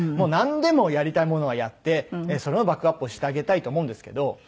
なんでもやりたいものはやってそれをバックアップをしてあげたいと思うんですけど。